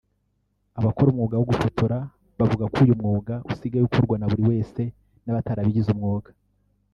abakora umwuga wo gufotora bavuga ko uyu mwuga usigaye ukorwa na buri wese n’abatarabigize umwuga